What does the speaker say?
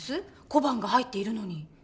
小判が入っているのに。